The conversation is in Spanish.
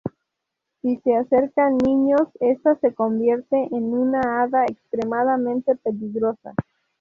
Si se acercan niños, este se convierte en un hada extremadamente peligrosa.